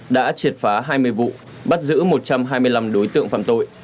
đã triệt phá hai mươi vụ bắt giữ một trăm hai mươi năm đối tượng phạm tội